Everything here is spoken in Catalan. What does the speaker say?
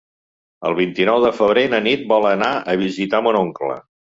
El vint-i-nou de febrer na Nit vol anar a visitar mon oncle.